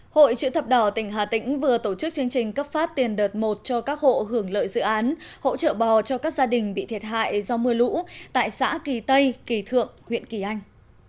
hội chữ thập đỏ tỉnh hà tĩnh vừa tổ chức chương trình cấp phát tiền đợt một cho các hộ hưởng lợi dự án hỗ trợ bò cho các gia đình bị thiệt hại do mưa lũ tại xã kỳ tây kỳ thượng huyện kỳ anh